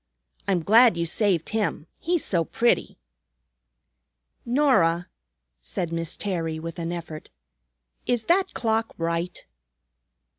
I'm glad you saved him, he's so pretty." "Norah," said Miss Terry with an effort, "is that clock right?"